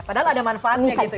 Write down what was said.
padahal ada manfaatnya gitu